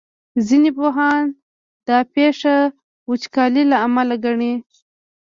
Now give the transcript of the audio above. ځینې پوهان دا پېښه وچکالۍ له امله ګڼي.